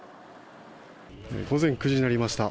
午前９時になりました。